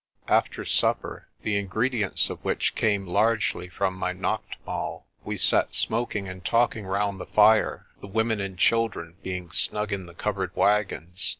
After supper, the ingredients of which came largely from my naachtmaal) we sat smoking and talking round the fire, the women and children being snug in the covered wagons.